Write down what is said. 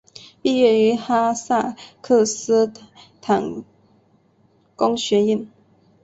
毕业于哈萨克斯坦工学院。